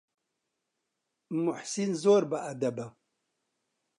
موحسین زۆر بەئەدەبە.